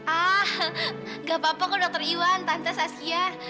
ah gak apa apa kok dokter iwan tante saskia